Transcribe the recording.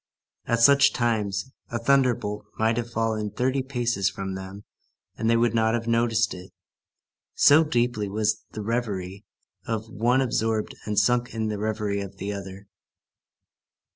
At such times, a thunderbolt might have fallen thirty paces from them, and they would not have noticed it, so deeply was the reverie of the one absorbed and sunk in the reverie of the other.